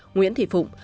nguyễn thị phụng